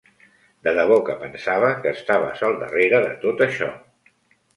De debò que pensava que estaves al darrere de tot això.